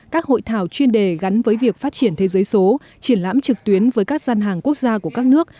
các hội thảo chuyên đề gắn với việc phát triển thế giới số triển lãm trực tuyến với các gian hàng quốc gia của các nước